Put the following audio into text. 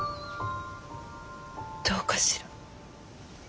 どうかしら。